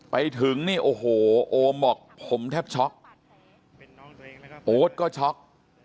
ไปถึงนี่โอ้โหโอมบอกผมแทบช็อกโอ๊ตก็ช็อก